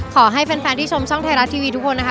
ขอให้แฟนที่ชมช่องไทยรัฐทีวีทุกคนนะคะ